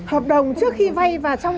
hợp đồng trước khi vay và trong